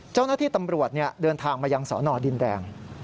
เจ้าหน้าที่ตำรวจเดินทางมายังสอนอดินแดง